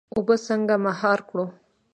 اوبه څنګه مهار کړو؟